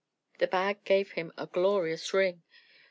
The bag gave him a glorious ring.